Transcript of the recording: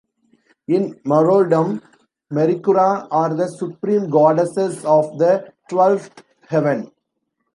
In Maoridom, Mareikura are the Supreme Goddesses of the Twelfth Heaven.